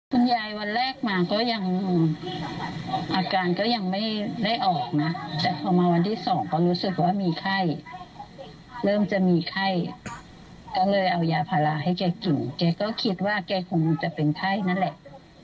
คุณยายวันแรกมาก็ยังอาการก็ยังไม่ได้ออกนะแต่พอมาวันที่สองก็รู้สึกว่ามีไข้เริ่มจะมีไข้ก็เลยเอายาภาระให้แกกินแกก็คิดว่าแกคงจะเป็นไข้นั่นแหละ